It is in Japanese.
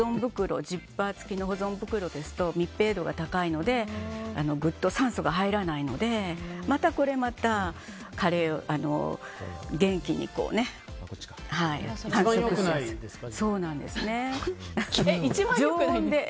ジッパー付きの保存袋ですと密閉度が高いのでぐっと酸素が入らないのでこれまた、元気に繁殖しやすくさせてしまいます。